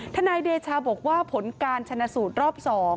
นายเดชาบอกว่าผลการชนะสูตรรอบ๒